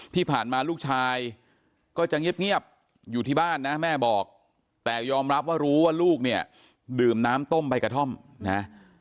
ที่ผ่านมาลูกชายก็จะเงียบอยู่ที่บ้านนะแม่บอกแต่ยอมรับว่ารู้ว่าลูกเนี่ยดื่มน้ำต้มใบกระท่อมนะ